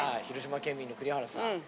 広島県民の栗原さん。